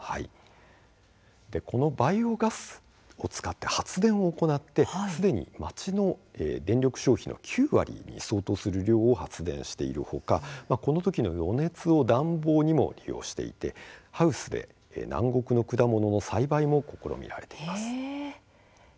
このバイオガスで発電を行ってすでに町内の電力消費の９割に相当する量を発電しているほかこのときの余熱も暖房などに活用していてハウスで南国の果物の栽培なども試みられています。